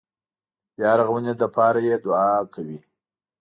د بیارغونې لپاره یې دعا کوي.